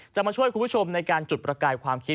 มาช่วยคุณผู้ชมในการจุดประกายความคิด